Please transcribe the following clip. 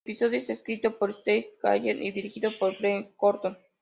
El episodio está escrito por Steve Callaghan y dirigido por Greg Colton.